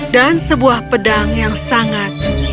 dan sebuah pedang yang sangat